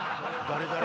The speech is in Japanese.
誰？